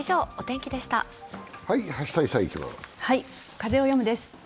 「風をよむ」です。